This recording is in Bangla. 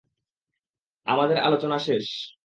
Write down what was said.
আমাদের আলোচনা শেষ।